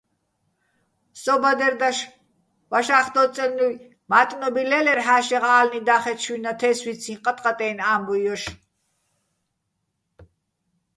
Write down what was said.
სო ბადერ დაშ ვაშა́ხდო́წდაჲლნუჲ მა́ტნობი ლე́ლერ ჰ̦ა́შეღ ა́ლნი და́ხეჩო შუჲ ნათე́სვიციჼ ყატყატეჲნო̆ ა́მბუჲ ჲოშ.